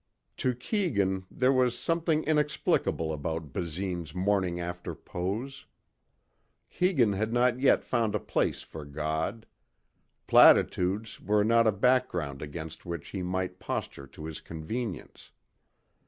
To Keegan there was something inexplicable about Basine's morning after pose. Keegan had not found a place for God. Platitudes were not a background against which he might posture to his convenience.